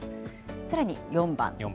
さらに４番。